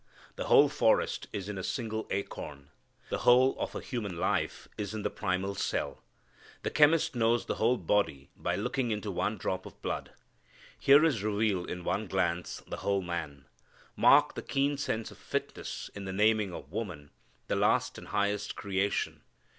The whole forest is in a single acorn. The whole of a human life is in the primal cell. The chemist knows the whole body by looking into one drop of blood. Here is revealed in one glance the whole man. Mark the keen sense of fitness in the naming of woman the last and highest creation.